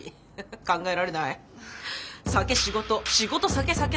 考えられない。